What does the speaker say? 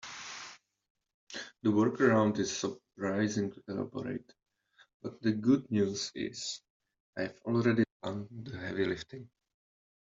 The workaround is surprisingly elaborate, but the good news is I've already done the heavy lifting.